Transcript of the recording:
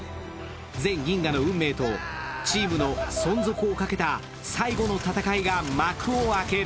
全銀河の運命とチームの存続をかけた最後の戦いが幕を開ける。